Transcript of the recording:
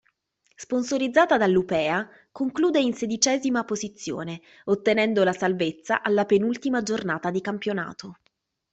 Sponsorizzata dall'Upea, conclude in sedicesima posizione, ottenendo la salvezza alla penultima giornata di campionato.